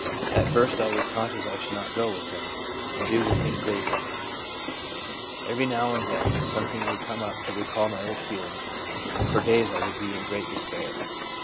At first I was conscious I should not go with 216 THE PSYCHOLOGY OF RELIGION them and do the things they did ; every now and then something would come up to recall my old feelings, and for days I would be in great despair.